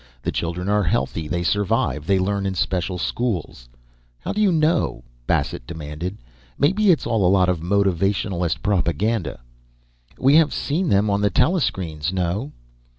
The children are healthy, they survive. They learn in special schools " "How do you know?" Bassett demanded. "Maybe it's all a lot of motivationalist propaganda." "We have seen them on the telescreens, no?"